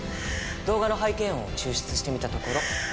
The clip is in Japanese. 動画の背景音を抽出してみてたところ。